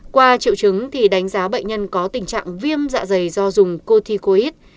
qua triệu chứng đánh giá bệnh nhân có tình trạng viêm dạ dày do dùng cotycoid